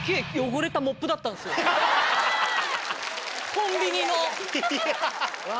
コンビニの。